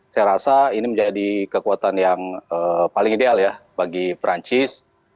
saya rasa ini menjadi kekuatan yang paling ideal ya bagi perancis